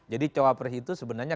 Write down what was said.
jadi cawa press itu sebenarnya